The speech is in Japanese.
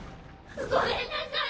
ごめんなさい！